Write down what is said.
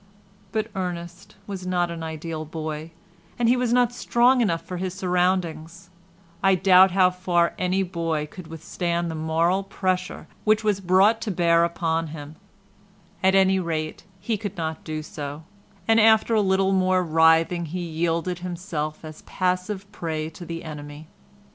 But Ernest was not an ideal boy, and he was not strong enough for his surroundings; I doubt how far any boy could withstand the moral pressure which was brought to bear upon him; at any rate he could not do so, and after a little more writhing he yielded himself a passive prey to the enemy.